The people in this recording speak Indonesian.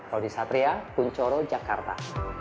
rodi satria puncoro jakarta